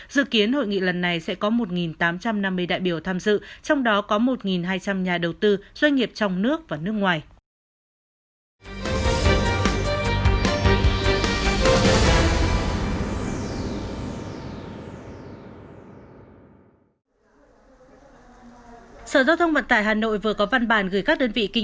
dự kiến hội nghị lần này sẽ có một tám trăm năm mươi đại biểu tham dự trong đó có một hai trăm linh nhà đầu tư doanh nghiệp trong nước và nước ngoài